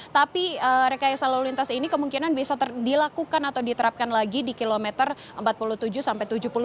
tapi rekayasa lalu lintas ini kemungkinan bisa dilakukan atau diterapkan lagi di kilometer empat puluh tujuh sampai tujuh puluh dua